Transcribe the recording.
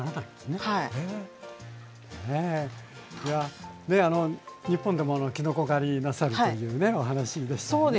ねっ日本でもきのこ狩りなさるというねお話でしたよね。